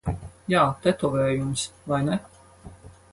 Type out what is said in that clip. Jā, tetovējums. Vai ne?